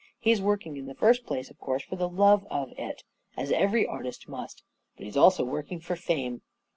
He's working in the first place, of course, for the love of it, as every artist must; but he's also working for fame.